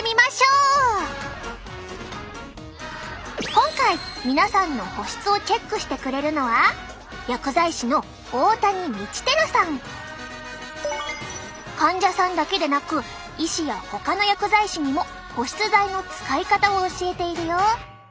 今回皆さんの保湿をチェックしてくれるのは患者さんだけでなく医師やほかの薬剤師にも保湿剤の使い方を教えているよ。